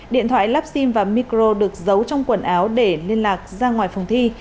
điện thoại lắp sim và micro được giấu trong quần áo để liên lạc ra ngoài phòng thi